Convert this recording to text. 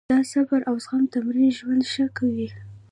د صبر او زغم تمرین ژوند ښه کوي.